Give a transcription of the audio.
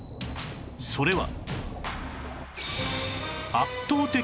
それは